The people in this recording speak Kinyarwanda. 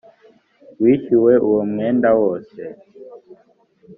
wishyure uwo mwenda wose .